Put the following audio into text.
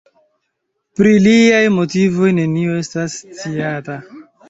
Pri liaj motivoj nenio estas sciata.